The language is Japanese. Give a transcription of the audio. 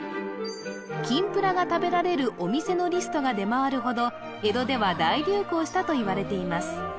金ぷらが食べられるお店のリストが出回るほど江戸では大流行したといわれています